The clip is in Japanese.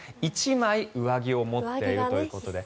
１枚上着を持っているということで。